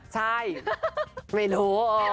ใช่ไม่รู้